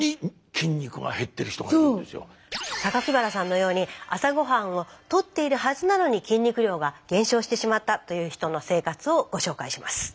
原さんのように朝ごはんをとっているはずなのに筋肉量が減少してしまったという人の生活をご紹介します。